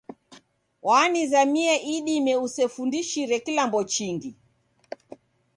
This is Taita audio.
Wanizamia idime usefundishire kilambo chingi